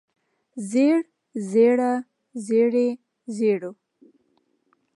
زېړ زېړه زېړې زېړو